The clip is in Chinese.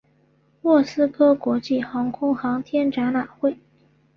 莫斯科国际航空航天展览会。